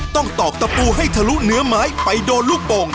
ต้องตอกตะปูให้ทะลุเนื้อไม้ไปโดรูปง